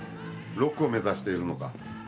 ロックを目指しているのか？